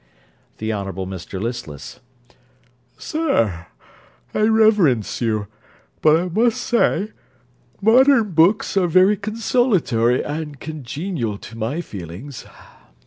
THE HONOURABLE MR LISTLESS Sir, I reverence you. But I must say, modern books are very consolatory and congenial to my feelings.